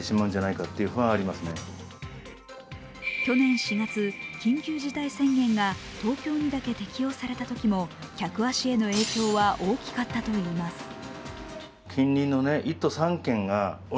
去年４月、緊急事態宣言が東京にだけ適用されたときも客足への影響は大きかったといいます。